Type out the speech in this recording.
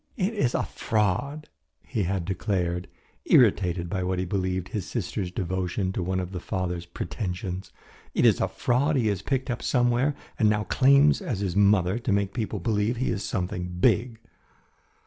"It is a fraud," he had declared, irritated by what he believed his sister's devotion to one of the father's pretensions. "It is a fraud he has picked up somewhere and now claims as his mother to make people believe he is something big."